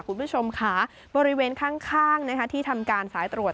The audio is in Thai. คุณผู้ชมค่ะบริเวณข้างที่ทำการสายตรวจ